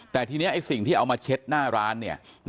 แต่ทีนี้ไอ้สิ่งที่เอามาเช็ดหน้าร้าน